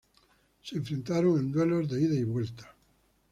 Se enfrentaron en duelos ida y vuelta.